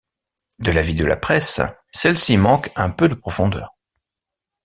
De l'avis de la presse, celle-ci manque un peu de profondeur.